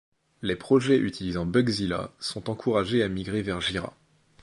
Les projets utilisant Bugzilla sont encouragés à migrer vers Jira.